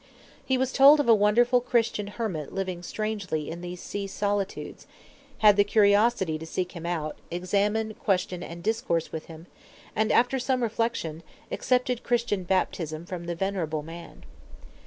He was told of a wonderful Christian hermit living strangely in these sea solitudes; had the curiosity to seek him out, examine, question, and discourse with him; and, after some reflection, accepted Christian baptism from the venerable man.